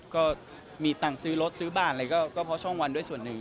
ก็มีตังค์ซื้อรถซื้อบ้านอะไรก็เพราะช่องวันด้วยส่วนหนึ่ง